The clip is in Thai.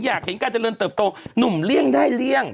อยากเห็นการเจริญเติบโตหนุ่มเลี่ยงได้เลี่ยง